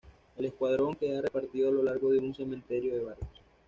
El escuadrón queda repartido a lo largo de un cementerio de barcos.